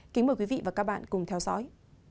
kính mời quý vị và các bạn cùng theo dõi